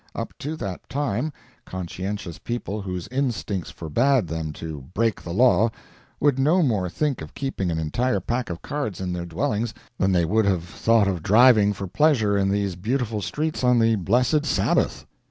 Up to that time, conscientious people whose instincts forbade them to break the law, would no more think of keeping an entire pack of cards in their dwellings than they would have thought of driving for pleasure in these beautiful streets on the blessed Sabbath.